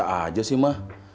biasa aja sih mah